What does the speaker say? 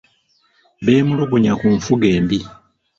Beemulugunya ku nfuga embi.